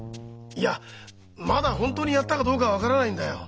いやまだ本当にやったかどうかは分からないんだよ。